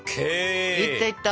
いったいった。